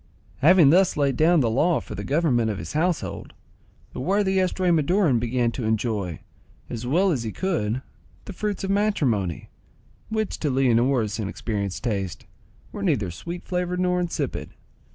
Having thus laid down the law for the government of his household, the worthy Estramaduran began to enjoy, as well as he could, the fruits of matrimony, which, to Leonora's inexperienced taste, were neither sweet flavoured nor insipid.